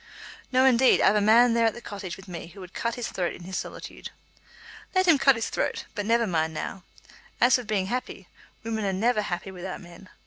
"No, indeed. I've a man there at the Cottage with me who would cut his throat in his solitude." "Let him cut his throat; but never mind now. As for being happy, women are never happy without men.